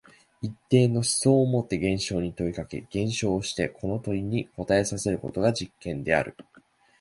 一定の思想をもって現象に問いかけ、現象をしてこの問いに答えさせることが実験である。